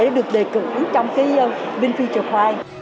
để được đề cử trong cái vinfuture pride